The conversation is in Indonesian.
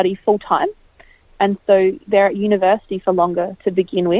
dan jadi mereka di universitas untuk lebih lama